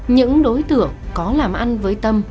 những đối tượng có làm ăn với tâm